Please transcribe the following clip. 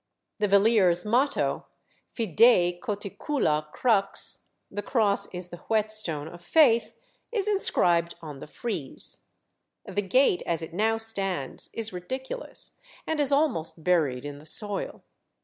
The Villiers' motto, Fidei coticula crux, "The cross is the whetstone of faith," is inscribed on the frieze. The gate, as it now stands, is ridiculous, and is almost buried in the soil.